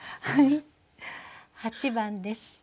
はい８番です。